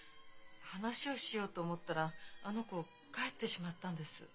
話をしようと思ったらあの子帰ってしまったんです。